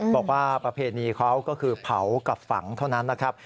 ประเพณีเขาก็คือเผากับฝังเท่านั้นนะครับ